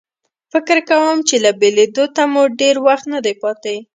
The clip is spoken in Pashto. فکر کوم چې له بېلېدو ته مو ډېر وخت نه دی پاتې.